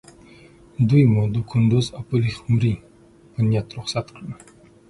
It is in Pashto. دوی مو د کندوز او پلخمري په نیت رخصت کړل.